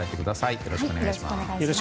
よろしくお願いします。